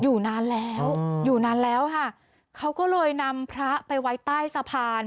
อยู่นานแล้วอยู่นานแล้วค่ะเขาก็เลยนำพระไปไว้ใต้สะพาน